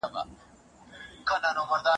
ډوډۍ او مڼه د ږیره لرونکي سړي لخوا راوړل کیږي.